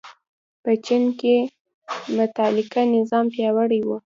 په چین کې مطلقه نظام پیاوړی و.